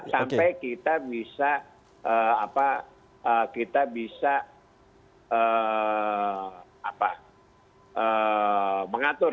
sampai kita bisa mengatur